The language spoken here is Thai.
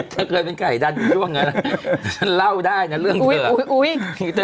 ถ้าเคยเป็นไข่ดันน่ะคุณมาเล่าได้นะเรื่องเธอ